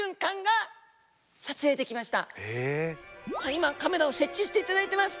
今カメラを設置していただいてます。